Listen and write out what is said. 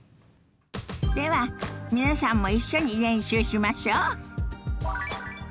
では皆さんも一緒に練習しましょ。